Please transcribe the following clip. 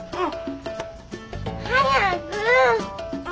あっ。